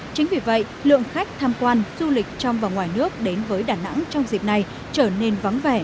chính vì vậy lượng khách tham quan du lịch trong và ngoài nước đến với đà nẵng trong dịp này trở nên vắng vẻ